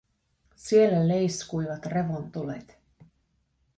Siellä leiskuivat revontulet.